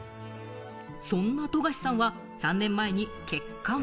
そんな富樫さんは３年前に結婚。